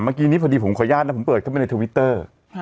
เมื่อกี้นี้พอดีผมขออนุญาตนะผมเปิดเข้าไปในทวิตเตอร์